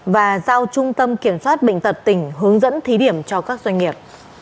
và giao trung tâm kiểm soát bệnh tật tỉnh hướng dẫn thí điểm cho các doanh nghiệp